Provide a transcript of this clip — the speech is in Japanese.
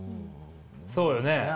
そうよね。